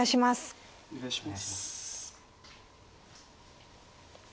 お願いします。